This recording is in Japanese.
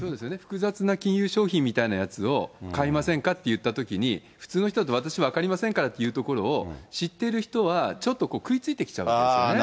複雑な金融商品みたいなやつを、買いませんかっていったときに、普通の人だと私、分かりませんからっていうところを、知ってる人はちょっと食いついてきちゃうわけですよね。